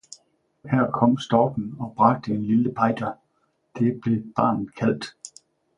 Her kom storken og bragte en lille Peiter, det blev barnet kaldt.